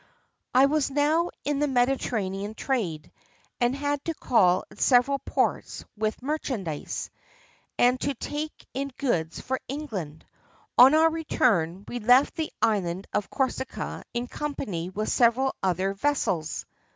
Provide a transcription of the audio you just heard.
"I was now in the Mediterranean trade, and had to call at several ports with merchandise, and to take in goods for England. On our return, we left the island of Corsica in company with several other vessels.